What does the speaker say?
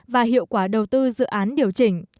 và hiệu quả đầu tư dự án điều chỉnh